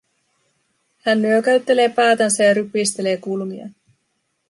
Hän nyökäyttelee päätänsä ja rypistelee kulmiaan.